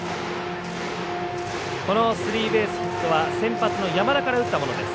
スリーベースヒットは先発の山田から打ったものです。